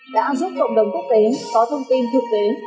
đã giúp cộng đồng quốc tế có thông tin thực tế